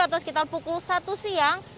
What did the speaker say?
atau sekitar pukul satu siang